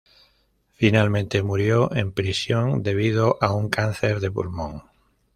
Finalmente murió en prisión debido a un cáncer de pulmón.